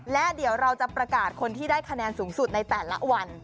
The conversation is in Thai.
และเดี๋ยวเราจะประกาศคนที่ได้คะแนนสูงสุดในแต่ละวัน